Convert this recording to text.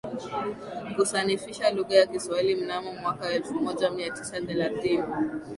Kusanifisha lugha ya kiswahili mnamo mwaka elfumoja miatisa thelathini